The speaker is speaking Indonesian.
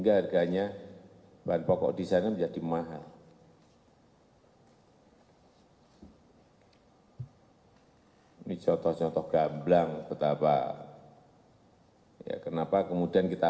yang paling dominan itu di wilayah umumnya